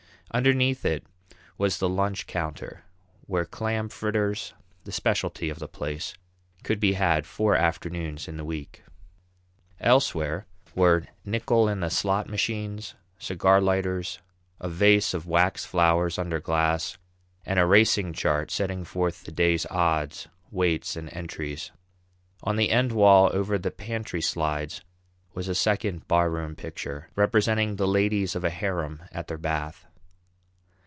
Underneath it was the lunch counter, where clam fritters, the specialty of the place, could be had four afternoons in the week. Elsewhere were nickel in the slot machines, cigar lighters, a vase of wax flowers under glass, and a racing chart setting forth the day's odds, weights, and entries. On the end wall over the pantry slides was a second "barroom" picture, representing the ladies of a harem at their bath.